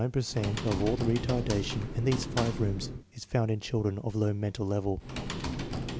9 per cent of all the retardation in these five rooms is found in children of low mental level.